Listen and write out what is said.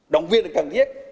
đồng quyết là cần thiết